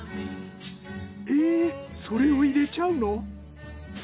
えっそれを入れちゃうの？